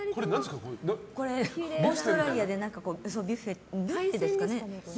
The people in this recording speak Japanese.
これ、オーストラリアでビュッフェですかね。